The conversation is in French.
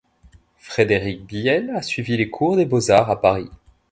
Frédéric Bihel a suivi les cours des Beaux-Arts à Paris.